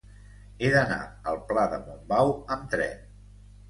He d'anar al pla de Montbau amb tren.